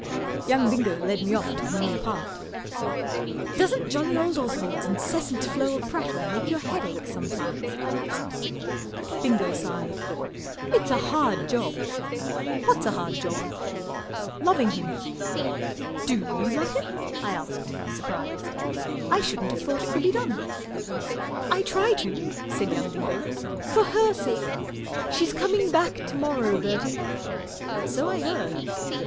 Young Bingo led me off to commune apart. 4 Doesn't jolly old Oswald's incessant flow of prattle make your head ache some¬ times ?" I asked. Bingo sighed. 44 It's a hard job." 44 What's a hard job ?" 44 Loving him." 44 Do you love him ?" I asked, surprised. I shouldn't have thought it could be done. 44 I try to," said young Bingo, 44 for Her sake. She's coming back to morrow, Bertie." 44 So I heard."